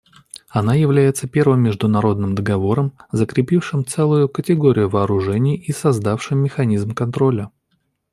Она является первым международным договором, запретившим целую категорию вооружений и создавшим механизм контроля.